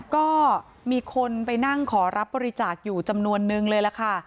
ก็มีคนไปนั่งขอรับบริจาคอยู่จำนวนนึงเลยล่ะค่ะ